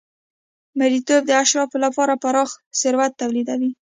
مریتوب د اشرافو لپاره پراخ ثروت تولیدوي.